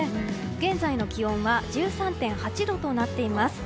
現在の気温は１３．８度となっています。